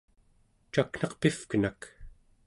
cakneq pivkenak!